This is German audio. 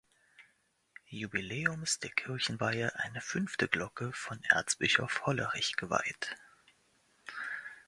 Jubiläums der Kirchenweihe eine fünfte Glocke von Erzbischof Hollerich geweiht.